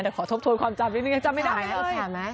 แต่ขอทบทวนความจำนึงไม่จำไม่ได้เลย